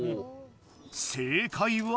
正解は？